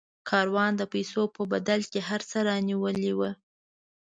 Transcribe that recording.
کاروان د پیسو په بدل کې هر څه رانیولي ول.